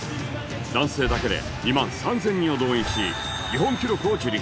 男性だけで２万３０００人を動員し日本記録を樹立